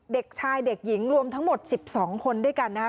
เด็กชายเด็กหญิงรวมทั้งหมด๑๒คนด้วยกันนะคะ